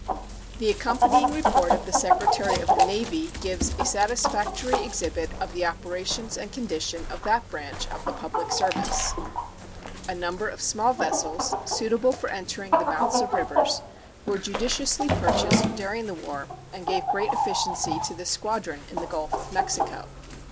The accompanying report of the Secretary of the Navy gives a satisfactory exhibit of the operations and condition of that branch of the public service. A number of small vessels, suitable for entering the mouths of rivers, were judiciously purchased during the war, and gave great efficiency to the squadron in the Gulf of Mexico.